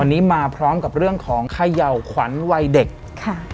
วันนี้มาพร้อมกับเรื่องของเขย่าขวัญวัยเด็กค่ะ